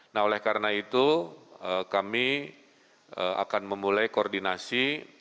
nah oleh karena itu kami akan memulai koordinasi